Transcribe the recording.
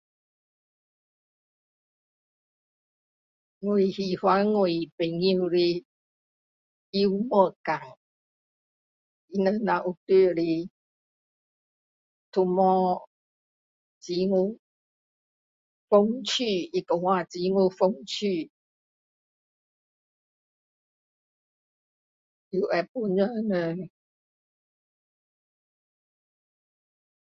我喜欢我朋友的幽默感。他们那有在，都无，很有，风趣，他讲话很多风趣。又会帮助人。